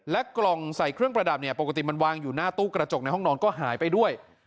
กล่องใส่เครื่องประดับเนี่ยปกติมันวางอยู่หน้าตู้กระจกในห้องนอนก็หายไปด้วย